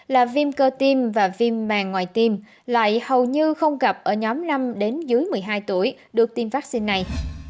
là viêm cơ tim và viêm màng ngoài tim lại hầu như không gặp ở nhóm năm đến dưới một mươi hai tuổi được tiêm vaccine này